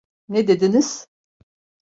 Ne dediniz?